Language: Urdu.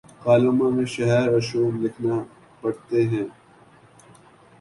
کالموں میں شہر آشوب لکھنا پڑتے ہیں۔